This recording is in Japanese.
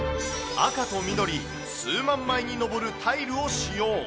赤と緑、数万枚に上るタイルを使用。